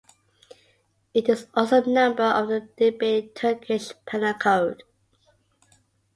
It is also the number of a debated Turkish penal code.